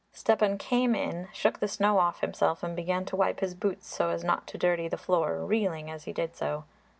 Stepan came in, shook the snow off himself and began to wipe his boots so as not to dirty the floor, reeling as he did so.